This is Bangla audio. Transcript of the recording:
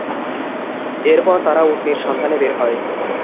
এরপর তারা উটনীর সন্ধানে বের হয়।